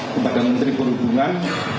kepada menteri perhubungan